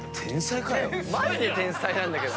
マジで天才なんだけど。